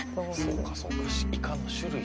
「そうかそうかイカの種類か」